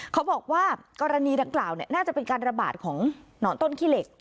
เขาบอกว่ากรณีดังกล่าวน่าจะเป็นการระบาดของหนอนต้นขี้เหล็ก